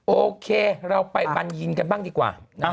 โอเคเราไปบัญญินกันบ้างดีกว่า